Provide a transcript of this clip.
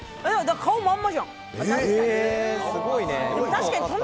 顔まんまじゃん。